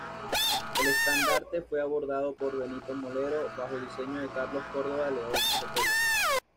El estandarte fue bordado por Benito Molero, bajo diseño de Carlos Córdoba de León-Sotelo.